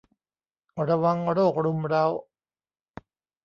ระวังโรครุมเร้า